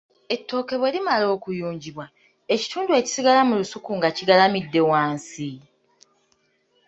Ettooke bwe limala okuyunjibwa, kitundu ekisigala mu lusuku nga kigalamidde wansi?